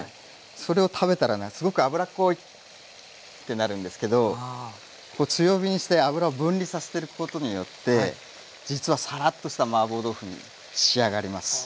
それを食べたらすごく油っこいってなるんですけどこう強火にして油を分離させてることによって実はサラッとしたマーボー豆腐に仕上がります。